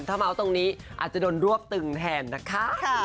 ถ้าเมาส์ตรงนี้อาจจะโดนรวบตึงแทนนะคะ